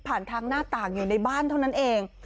ทางหน้าต่างอยู่ในบ้านเท่านั้นเอง